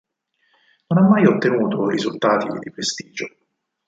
Non ha mai ottenuto risultati di prestigio.